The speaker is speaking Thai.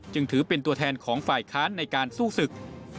จึงถือเป็นตัวแทนของฝ่ายค้านในการสู้ศึก